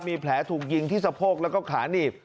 มีแผลถูกยิงที่สะโพกแล้วก็ขาหนีบ